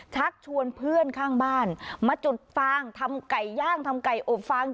ชักชวนเพื่อนข้างบ้านมาจุดฟางทำไก่ย่างทำไก่อบฟาง